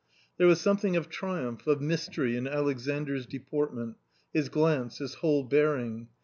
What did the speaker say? There was something of triumph, of mystery in Alexandr's deportment, his glance, his whole bearing.